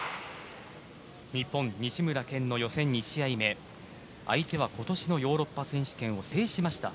日本、西村拳の予選２試合目相手は今年のヨーロッパ選手権を制しました。